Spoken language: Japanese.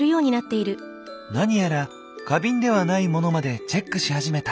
何やら花瓶ではないモノまでチェックし始めた。